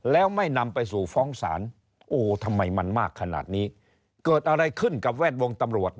แล้วไม่นำไปสู่ฟ้องศาลโอ้ทำไมมันมากขนาดนี้เกิดอะไรขึ้นกับแวดวงตำรวจ